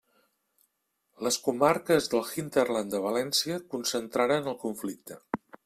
Les comarques del hinterland de València concentraren el conflicte.